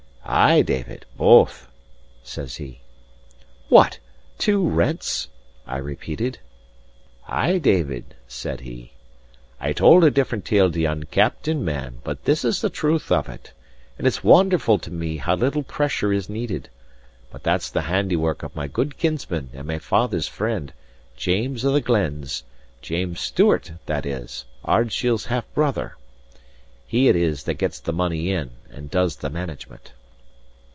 "Ay, David, both," says he. "What! two rents?" I repeated. "Ay, David," said he. "I told a different tale to yon captain man; but this is the truth of it. And it's wonderful to me how little pressure is needed. But that's the handiwork of my good kinsman and my father's friend, James of the Glens: James Stewart, that is: Ardshiel's half brother. He it is that gets the money in, and does the management."